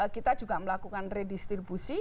kita juga melakukan redistribusi